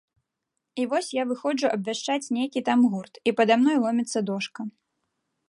І вось я выходжу абвяшчаць нейкі там гурт, і пада мной ломіцца дошка.